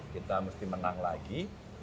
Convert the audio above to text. kita mesti menang lagi